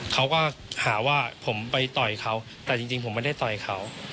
เขาก็หาว่าผมไปต่อยเขาแต่จริงผมไม่ได้ต่อยเขา